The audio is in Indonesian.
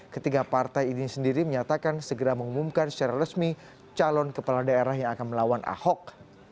ketiga partai ini sendiri menyatakan segera mengumumkan secara resmi calon kepala daerah yang akan melawan ahok